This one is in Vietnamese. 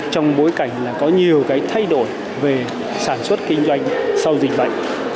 trong bối cảnh là có nhiều cái thay đổi về sản xuất kinh doanh sau dịch bệnh